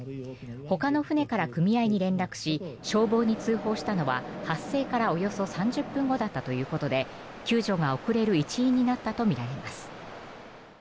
ほかの船から組合に連絡し消防に通報したのは発生からおよそ３０分後だったということで救助が遅れる一因になったとみられます。